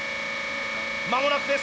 間もなくです。